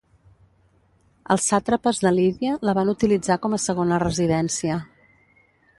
Els sàtrapes de Lídia la van utilitzar com a segona residència.